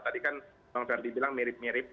tadi kan bang ferdi bilang mirip mirip